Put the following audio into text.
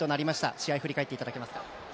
試合を振り返っていただけますか。